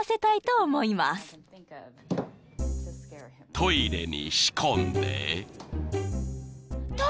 ［トイレに仕込んで］